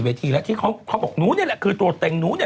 เดินสายมากี่ปีแล้วหนู